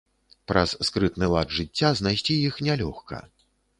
Праз скрытны лад жыцця знайсці іх нялёгка.